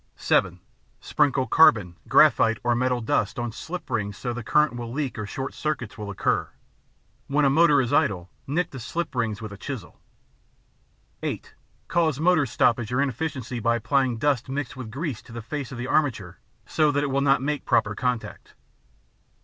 (7) Sprinkle carbon, graphite or metal dust on slip rings so that the current will leak or short circuits will occur. When a motor is idle, nick the slip rings with a chisel. (8) Cause motor stoppage or inefficiency by applying dust mixed with grease to the face of the armature so that it will not make proper contact.